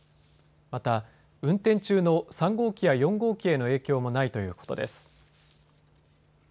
また運転中の３号機や４号機への影響もないということです。